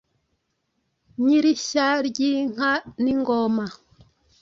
Nyir-ishya ry’inka n’ingoma